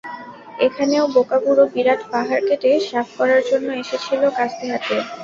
এখানেও বোকা বুড়ো বিরাট পাহাড় কেটে সাফ করার জন্য এসেছিল কাস্তে হাতে।